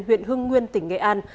huyện hưng nguyên tỉnh nghệ an